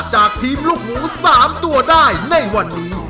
จากทีมลูกหมู๓ตัวได้ในวันนี้